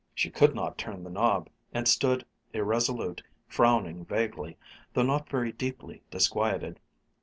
She could not turn the knob and stood, irresolute, frowning vaguely, though not very deeply disquieted.